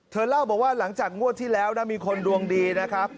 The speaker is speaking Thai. เล่าบอกว่าหลังจากงวดที่แล้วนะมีคนดวงดีนะครับ